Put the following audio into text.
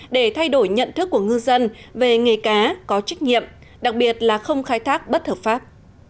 để thay đổi nhận thức của ngư dân về nghề cá có trách nhiệm đặc biệt là không khai thác bất hợp pháp